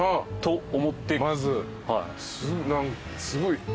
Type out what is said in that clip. すごい。